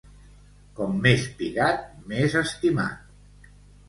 Com més pigat, més estimat.